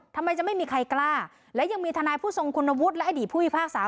ทำไมจะไม่มีใครกล้าและยังมีทนายผู้ทรงคุณวุฒิและอดีตผู้พิพากษา